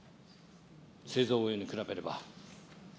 製造業に比べれば。